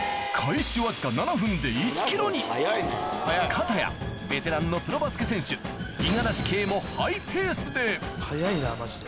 片やベテランのプロバスケ選手五十嵐圭もハイペースで早いなマジで。